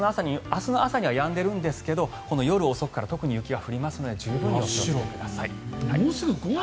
明日の朝にはやんでいるんですが夜遅くから雪が降りますのでご注意ください。